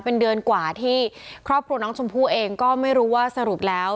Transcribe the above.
เป็นเดือนกว่าที่ครอบครัวน้องชมพู่เองก็ไม่รู้ว่าสรุปแล้ว